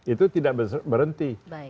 itu tidak berhenti